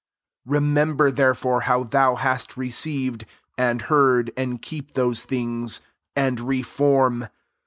3 Remeinber therefore how thou hast received, [and hcardy and kee/i thote fhingsy] and reform.